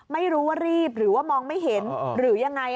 ไม่รู้ว่ารีบหรือว่ามองไม่เห็นหรือยังไง